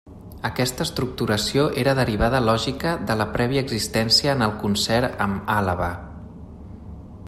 Aquesta estructuració era derivada lògica de la prèvia existent en el Concert amb Àlaba.